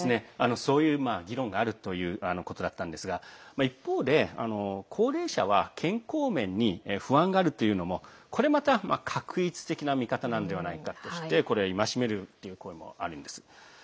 そういう議論があるということだったんですが一方で高齢者は健康面に不安があるというのもこれまた、画一的な見方なのではないかとして戒める声もあります。